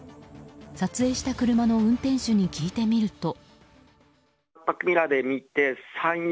撮影した車の運転手に聞いてみると。